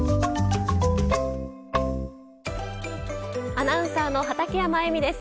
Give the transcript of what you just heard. アナウンサーの畠山衣美です。